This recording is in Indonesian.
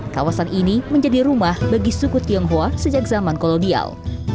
kawasan ini menjadi rumah bagi suku tionghoa sejak zaman kolonial